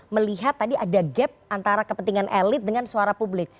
melihat tadi ada gap antara kepentingan elit dengan suara publik